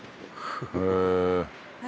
へえ。